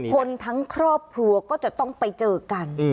คนทั้งครอบครัวก็จะต้องไปเจอกัน